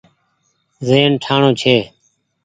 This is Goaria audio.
زهين ٺآڻو ڇي۔